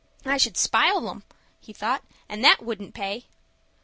"I should spile 'em," he thought, "and that wouldn't pay."